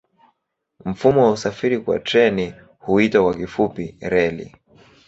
Mfumo wa usafiri kwa treni huitwa kwa kifupi reli.